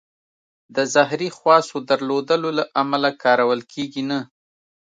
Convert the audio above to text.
د زهري خواصو درلودلو له امله کارول کېږي نه.